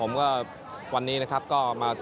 ผมก็วันนี้นะครับก็มา